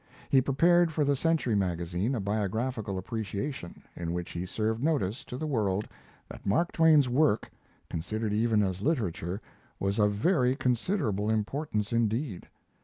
He prepared for the Century Magazine a biographical appreciation, in which he served notice to the world that Mark Twain's work, considered even as literature, was of very considerable importance indeed.